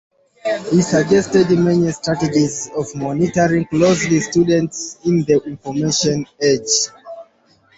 He suggested many strategies of monitoring closely students in the information age.